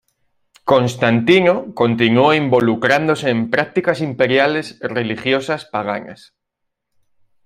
Constantino continuó involucrándose en prácticas imperiales religiosas paganas.